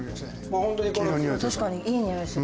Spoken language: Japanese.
確かにいい匂いする。